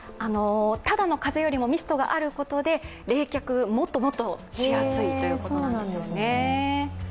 ただの風よりもミストがあることで冷却、もっともっとしやすいということなんですよね。